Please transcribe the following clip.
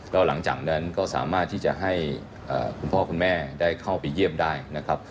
แล้วหลังจากนั้นก็สามารถที่จะให้คุณพ่อคุณแม่ได้เข้าไปเยี่ยมได้นะครับ